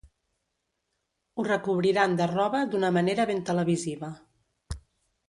Ho recobriran de roba d'una manera ben televisiva.